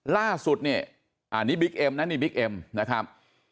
ล่าสุดเนี่ยอันนี้บิ๊กเอ็มนะนี่บิ๊กเอ็มนะครับ